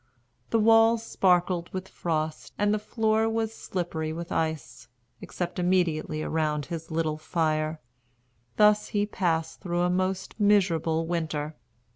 The walls sparkled with frost, and the floor was slippery with ice, except immediately around his little fire. Thus he passed through a most miserable winter.